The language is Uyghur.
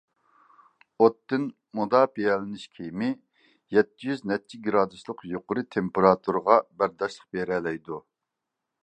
ئوتتىن مۇداپىئەلىنىش كىيىمى يەتتە يۈز نەچچە گرادۇسلۇق يۇقىرى تېمپېراتۇرىغا بەرداشلىق بېرەلەيدۇ.